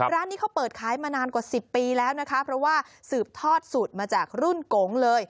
ร้านนี้เขาเปิดขายมานานกว่า๑๐ปีแล้วนะคะเพราะว่าสืบทอดสูตรมาจากรุ่นโกงเลย